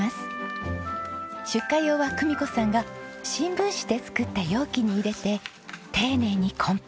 出荷用は久美子さんが新聞紙で作った容器に入れて丁寧に梱包。